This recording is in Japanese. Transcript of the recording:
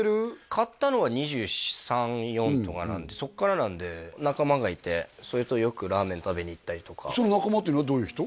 買ったのは２３２４とかなんでそっからなんで仲間がいてそれとよくラーメン食べに行ったりとかその仲間っていうのはどういう人？